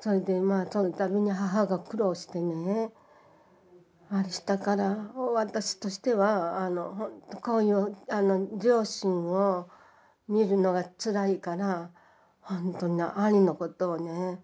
それでそのたびに母が苦労してねあれしたから私としてはこういう両親を見るのがつらいからほんとに兄のことをね